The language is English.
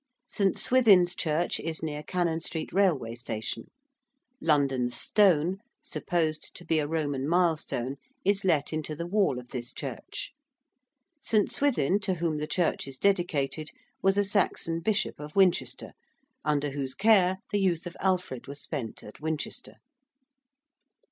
~St. Swithin's Church~ is near Cannon Street Railway Station. 'London Stone,' supposed to be a Roman milestone, is let into the wall of this church. St. Swithin, to whom the church is dedicated, was a Saxon Bishop of Winchester, under whose care the youth of Alfred was spent at Winchester.